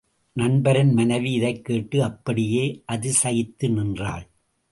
நண்பரின் மனைவி இதைக்கேட்டு அப்படியே அதிசயித்து நின்றாள்.